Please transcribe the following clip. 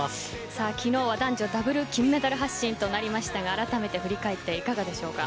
昨日は男女ダブル金メダル発進となりましたがあらためて振り返っていかがですか。